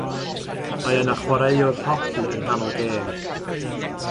Mae yna chwaraewr hoci yng nghanol gêm.